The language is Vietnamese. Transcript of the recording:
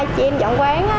hai chị em dọn quán á